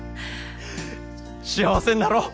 幸せになろう！